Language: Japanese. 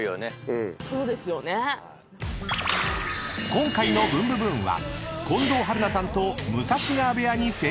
［今回の『ブンブブーン！』は近藤春菜さんと武蔵川部屋に潜入！］